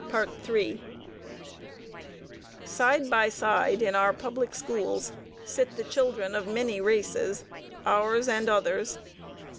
Side by side in our public schools sit the children of many races, ours and others.